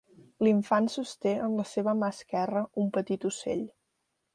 L'Infant sosté en la seva mà esquerra un petit ocell.